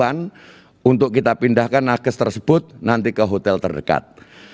kita akan menambahkan kebutuhan untuk kita pindahkan nages tersebut nanti ke hotel terdekat